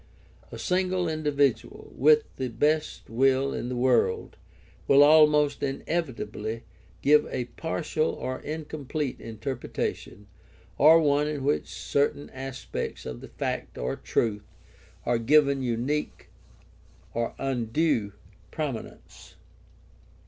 A single individual, with the best will in the world, will almost inevitably give a partial or incomplete interpretation, or one in which certain aspects of the fact or truth are given undue prominence.